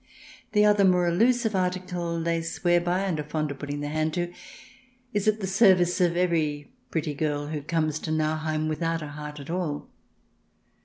The other, more elusive, article they swear by and are fond of putting their hand to, is at the service of every pretty girl who comes to Nauheim without a heart at all